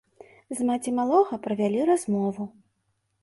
З маці малога правялі размову.